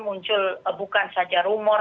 muncul bukan saja rumor